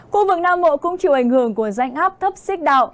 khu vực nam bộ cũng chịu ảnh hưởng của rãnh áp thấp xích đạo